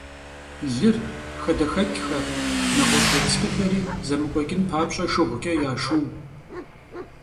Лыр, хадэхэкӀхэр, нэгъуэщӀ ерыскъыхэри зэмыкӀуэкӀын папщӀэ, шыгъукӀэ яшыу.